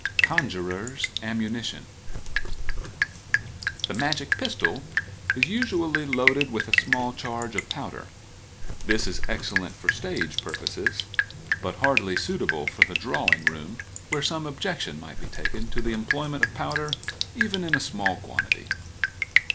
Conjurer's Ammunition.—The magic pistol is usually loaded with a small charge of powder. This is excellent for stage purposes, but hardly suitable for the drawing room, where some objection might be taken to the employment of powder, even in a small quantity.